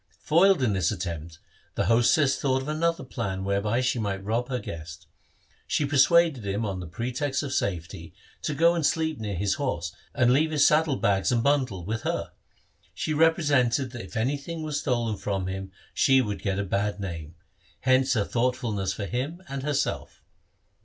Foiled in this attempt, the hostess thought of another plan whereby she might rob her guest. She persuaded him, on the pretext of safety, to go and sleep near his horse and leave his saddle bags and bundle with her. She represented that if anything were stolen from him she would get a bad name ; hence her thoughtf ulness for him and herself.